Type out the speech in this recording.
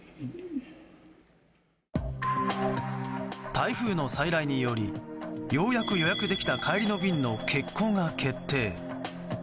台風の再来によりようやく予約できた帰りの便の欠航が決定。